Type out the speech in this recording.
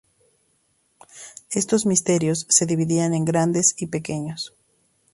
Estos misterios se dividían en grandes y pequeños.